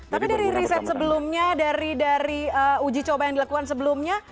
tapi dari riset sebelumnya dari uji coba yang dilakukan sebelumnya